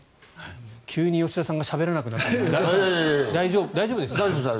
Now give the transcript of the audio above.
急に吉田さんがしゃべらなくなったけど大丈夫ですか？